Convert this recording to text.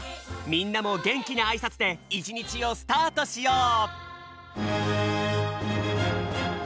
みんなもげんきなあいさつでいちにちをスタートしよう！